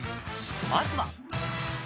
まずは。